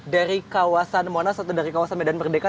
dari kawasan monas atau dari kawasan medan merdeka